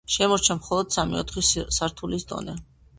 შემორჩა მხოლოდ სამი-ოთხი სართულის დონე.